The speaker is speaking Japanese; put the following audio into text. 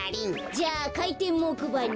じゃあかいてんもくばに。